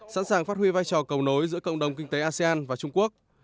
sẵn sàng phát huy vai trò cầu nối giữa cộng đồng kinh tế asean và trung quốc